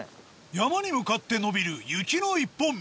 山に向かって延びる雪の一本道